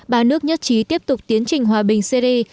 ba nước nhất trí tiếp tục tiến trình hòa bình syri